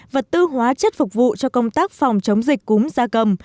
và tư hóa chất phục vụ cho công tác phòng chống dịch cúm gia cầm